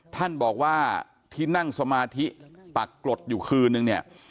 ท่านบอกว่าที่นั่งสมาธิปักกรดอยู่คืนนึงเนี่ย